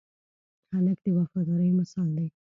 هلک د وفادارۍ مثال دی.